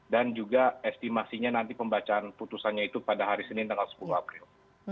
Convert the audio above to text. juga estimasinya nanti pembacaan putusannya itu pada hari senin tanggal sepuluh april